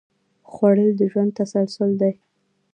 خوړل د ژوند تسلسل دی